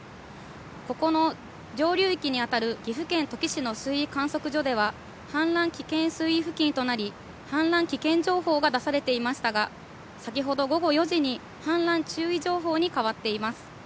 ここの上流域に当たる岐阜県土岐市の水位観測所では、氾濫危険水位付近となり、氾濫危険情報が出されていましたが、先ほど午後４時に氾濫注意情報に変わっています。